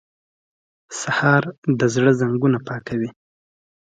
سهار د زړه زنګونه پاکوي.